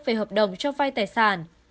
về hợp đồng cho vai tài sản